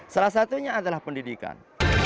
salah satunya adalah pendidikan